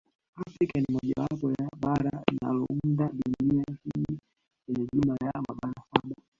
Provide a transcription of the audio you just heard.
Afrika ni mojawapo ya bara linalounda dunia hii yenye jumla ya mabara saba